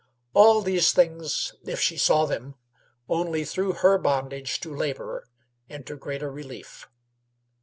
All these things, if she saw them, only threw her bondage to labor into greater relief.